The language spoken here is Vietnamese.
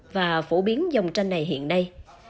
và phổ biến dòng tranh này hiện nay